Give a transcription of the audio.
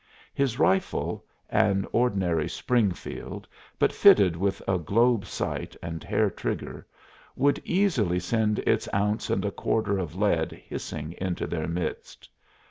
His rifle an ordinary "Springfield," but fitted with a globe sight and hair trigger would easily send its ounce and a quarter of lead hissing into their midst.